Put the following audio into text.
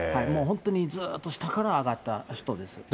もう本当にずっと下から上がった人です。